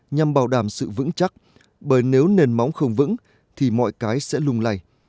nhằm bảo đảm sự vững chắc bởi nếu nền móng không vững thì mọi cái sẽ lung lầy